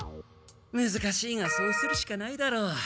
むずかしいがそうするしかないだろう。